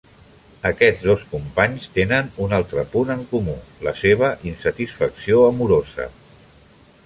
Aquests dos companys tenen un altre punt en comú: la seva insatisfacció amorosa.